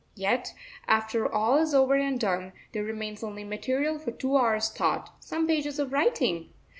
Yet, after all is over and done, there remains only material for two hours' thought, some pages of writing!